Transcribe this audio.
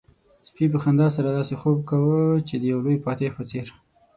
سپي په خندا سره داسې خوب کاوه چې د يو لوی فاتح په څېر.